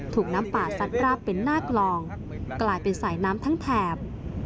น้ำป่าซัดราบเป็นหน้ากลองกลายเป็นสายน้ำทั้งแถบ